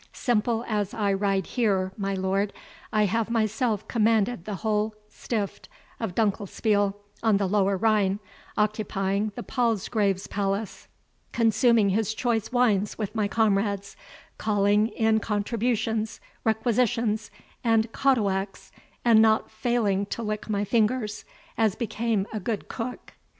Simple as I ride here, my lord, I have myself commanded the whole stift of Dunklespiel on the Lower Rhine, occupying the Palsgrave's palace, consuming his choice wines with my comrades, calling in contributions, requisitions, and caduacs, and not failing to lick my fingers, as became a good cook.